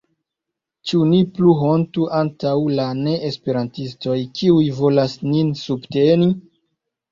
Ĉu ni plu hontu antaŭ la neesperantistoj kiuj volas nin subteni?